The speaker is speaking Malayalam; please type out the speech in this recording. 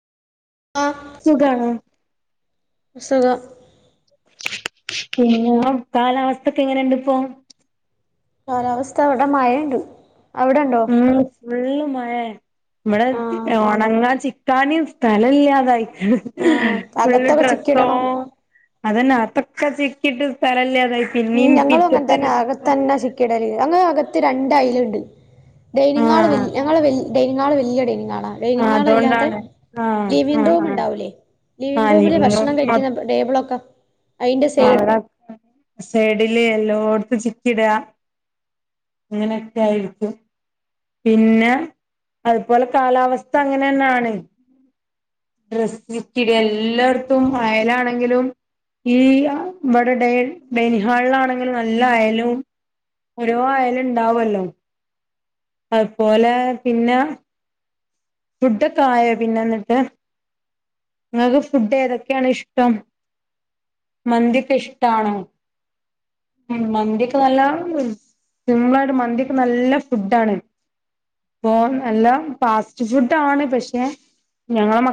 ആഹ് സുഖാണ് സുഖം പിന്നെ കാലാവസ്ഥക്കെ എങ്ങനെണ്ട്പ്പോ കാലാവസ്ഥവിടെ മഴണ്ട് അവിടെണ്ടോ ഉം ഫുള്ള് മഴാ ഇവിടെ ആഹ് ഒണങ്ങാ ചി ക്കാനീം സ്ഥലല്ല്യാതായി ആഹ് ഫുള്ള് അകത്തൊക്കെ ഡ്രസ്സോ ചിക്കിടണം അതന്നെ ആതക്കെ ചിക്കിട്ട് സ്ഥലല്ല്യാതായി ഉ ഞങ്ങളുങ്ങനെ തന്നെ അകത്തന്നാ ചിക്കിടല് ഞങ്ങകത്ത് രണ്ടയലുണ്ട് ഡൈനിങ്ഹാള് വെൽ ആഹ് ഞങ്ങള വെൽ ഡൈനിങ്ങാള് വല്യ ഡൈനിങാളാണ് ആഹ് ഡൈനിങ്ങാളല്ലാത്ത അതോണ്ടാണ് ആഹ് ലിവിംഗ് ആഹ് ആഹ് റൂമ്ണ്ടാവൂലേ ലിവിംഗ് റൂമില് ഭക്ഷണം കഴിക്കുന്ന ടേബിളൊക്കെ അയിന്റെ സൈഡ് അവ്ടെ സൈഡില് എല്ലോടത്തും ചിക്കിടാ അങ്ങനെയൊക്കെ ആയിരിക്കും പിന്നെ അതുപോലെ കാലാവസ്ഥ അങ്ങനെന്നാണ് [unintelligible] എല്ലാട്ത്തും വയലാണെങ്കിലും ഈ ആ ഇബടെ ടെയ്‌ ഡൈനിംഗ് ഹാളിലാണെങ്കിൽ നല്ല അയലും ഓരോ അയല്ണ്ടാവല്ലോ അത്പോലെ പിന്നെ ഫുടൊക്കായോ പിന്നെ ന്നിട്ട് ഇങ്ങക്ക് ഫുഡ് ഏതൊക്കെണ് ഇഷ്ടം മന്തിഒക്കെ ഇഷ്ടാണോ ഉം മന്തി ഒക്കെ നല്ലാം ഉം സിമ്പ്ളായിട്ട് മന്തിഒക്കെ നല്ല ഫുഡ് ആണ് പ്പോ നല്ല ഫാസ്റ്റ് ഫുഡാണ് പക്ഷെ ഞങ്ങള മ